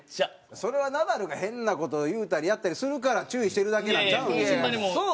それはナダルが変な事言うたりやったりするから注意してるだけなんちゃうん？